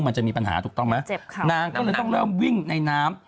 มันจะมีปัญหาถูกต้องไหมเจ็บค่ะนางก็เลยต้องเริ่มวิ่งในน้ำ